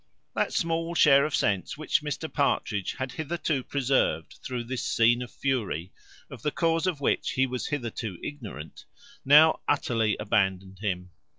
That small share of sense which Mr Partridge had hitherto preserved through this scene of fury, of the cause of which he was hitherto ignorant, now utterly abandoned him.